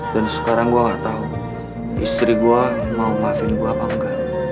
dan sekarang saya tidak tahu istri saya mau memaafkan saya atau tidak